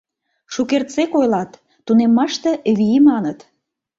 Шукертсек ойлат: тунеммаште — вий, маныт.